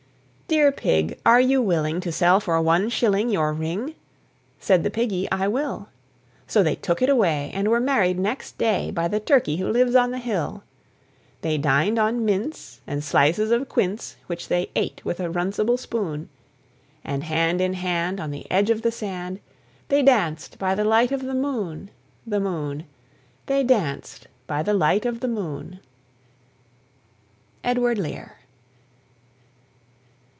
"Dear Pig, are you willing to sell for one shilling Your ring?" Said the piggy, "I will," So they took it away, and were married next day By the turkey who lives on the hill. They dined upon mince and slices of quince, Which they ate with a runcible spoon, And hand in hand on the edge of the sand They danced by the light of the moon, The moon, They danced by the light of the moon. EDWARD LEAR.